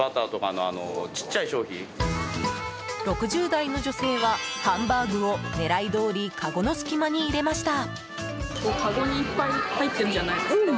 ６０代の女性はハンバーグを狙いどおりかごの隙間に入れました。